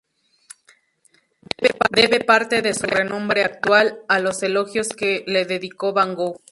Debe parte de su renombre actual a los elogios que le dedicó Van Gogh.